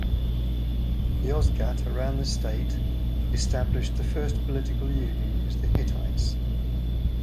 Yozgat around the state established the first political union is the Hittites.